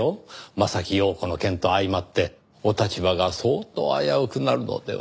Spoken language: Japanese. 柾庸子の件と相まってお立場が相当危うくなるのでは？